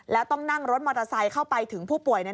แล้วต้องนั่งรถมอเตอร์ไซค์เข้าไปถึงผู้ป่วย